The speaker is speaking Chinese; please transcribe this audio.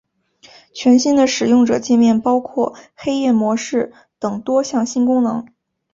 全新的使用者界面包括黑夜模式等多项新功能。